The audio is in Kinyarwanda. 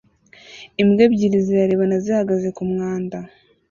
Imbwa ebyiri zirarebana zihagaze kumwanda